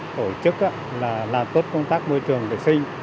hội chức là tốt công tác môi trường lịch sinh